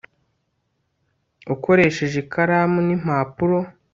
Ukoresheje ikaramu nimpapuro